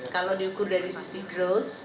kalau diukur dari sisi growth